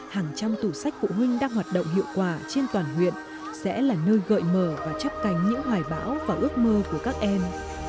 hàng trăm tủ sách phụ huynh đang hoạt động hiệu quả trên toàn huyện sẽ là nơi gợi mở và chấp cánh những hoài bão và ước mơ của các em